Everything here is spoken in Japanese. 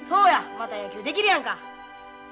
また野球できるやんか。